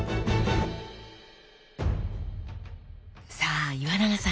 さあ岩永さん